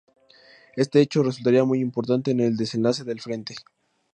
Este hecho resultaría muy importante en el desenlace del frente.